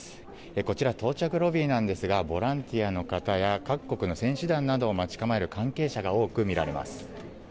こちら、到着ロビーなんですがボランティアの方や各国の選手団などを待ち構える関係者が多く見られます。